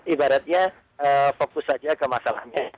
ibaratnya fokus saja ke masalahnya